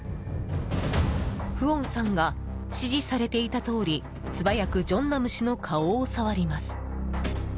フオンさんが指示されていたとおり素早く正男氏の顔を触ります。